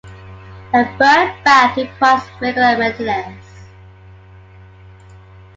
A bird bath requires regular maintenance.